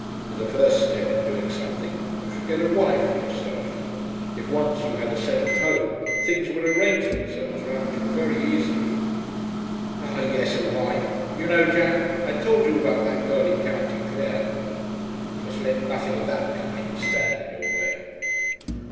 "As a first step in doing something you should get a wife for yourself. If once you had a settled home, things would arrange themselves round you very easily." "Ah, yes; a wife. You know, Jack, I told you about that girl in County Clare." "You must let nothing of that kind stand in your way."